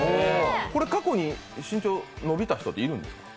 これ、過去に身長伸びた人っているんですか？